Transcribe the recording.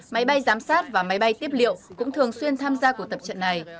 máy bay giám sát và máy bay tiếp liệu cũng thường xuyên tham gia cuộc tập trận này